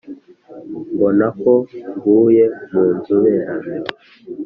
mbona ko nguye mu nzoberanyo